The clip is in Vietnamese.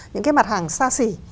những cái mặt hàng xa xỉ